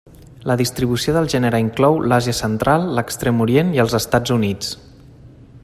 La distribució del gènere inclou l'Àsia Central, l'Extrem Orient i els Estats Units.